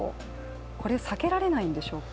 これ、避けられないんでしょうか？